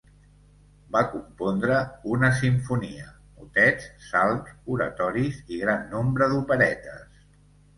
Va compondre una simfonia, motets, salms, oratoris i gran nombre d'operetes.